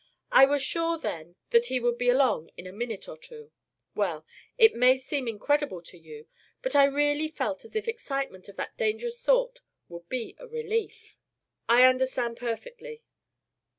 I was sure then that he would be along in a minute or two. Well it may seem incredible to you, but I really felt as if excitement of that dangerous sort would be a relief." "I understand perfectly."